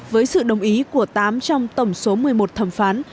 với sự đồng ý của tám trong tổng số một mươi một thẩm phán